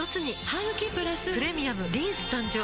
ハグキプラス「プレミアムリンス」誕生